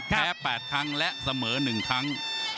แพ้๘ครั้งและเสมอ๑ครั้ง